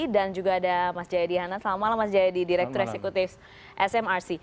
dan juga ada mas jayadi hanan selamat malam mas jayadi direktur eksekutif smrc